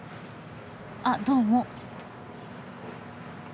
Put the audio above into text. あっどうも。